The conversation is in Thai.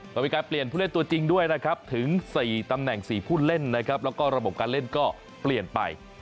ก็มีการเปลี่ยนผู้เล่นตัวจริงด้วยนะครับถึง๔ตำแหน่ง๔ผู้เล่นนะครับแล้วก็ระบบการเล่นก็เปลี่ยนไป